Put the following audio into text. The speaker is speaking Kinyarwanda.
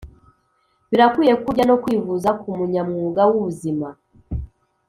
birakwiye ko ujya no kwivuza ku munyamwuga w ubuzima